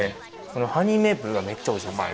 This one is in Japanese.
このハニーメイプルがめっちゃ美味しいんですよね。